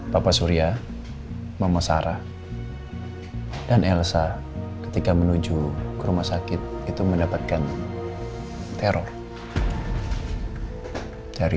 bapak surya mama sarah dan elsa ketika menuju ke rumah sakit itu mendapatkan teror dari